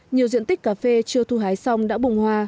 nhiều diện tích cà phê chưa thu hái xong đã bùng hoa